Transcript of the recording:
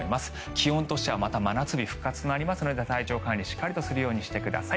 気温としてはまた真夏日復活となりますので体調管理しっかりとするようにしてください。